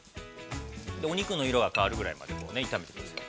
◆お肉の色が変わるぐらいまで炒めてください。